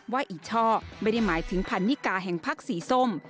อีช่อไม่ได้หมายถึงพันนิกาแห่งพักสีส้ม